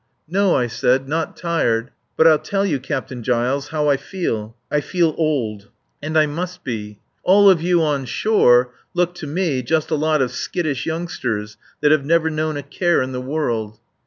"No," I said. "Not tired. But I'll tell you, Captain Giles, how I feel. I feel old. And I must be. All of you on shore look to me just a lot of skittish youngsters that have never known a care in the world."